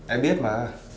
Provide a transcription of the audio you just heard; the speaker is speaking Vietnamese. em biết mà